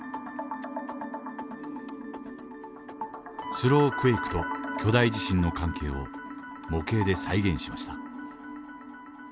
スロークエイクと巨大地震の関係を模型で再現しました。